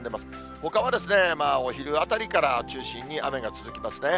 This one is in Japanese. ほかはお昼あたりから中心に雨が続きますね。